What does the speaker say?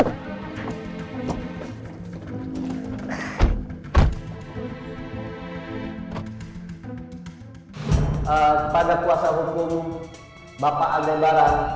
kepada kuasa hukum bapak alimbara